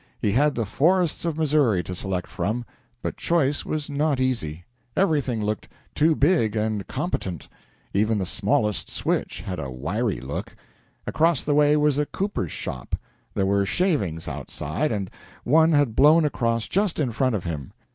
He had the forests of Missouri to select from, but choice was not easy. Everything looked too big and competent. Even the smallest switch had a wiry look. Across the way was a cooper's shop. There were shavings outside, and one had blown across just in front of him.